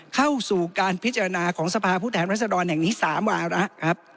เข้าสู่การพิจารณาของสภาพผู้แทนรัศดรแห่งนี้๓วาระครับ